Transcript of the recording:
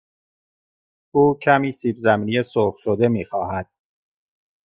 او کمی سیب زمینی سرخ شده می خواهد.